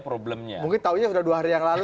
problemnya mungkin tahunya sudah dua hari yang lalu